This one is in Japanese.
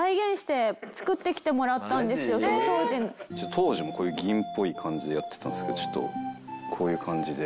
当時もこういう銀っぽい感じでやってたんですけどちょっとこういう感じで。